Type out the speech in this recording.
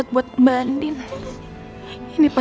si buruk rupa